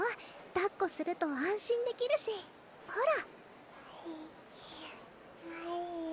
だっこすると安心できるしほら